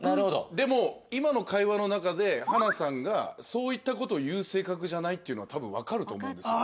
でも今の会話の中で花さんがそういった事を言う性格じゃないっていうのは多分わかると思うんですよ。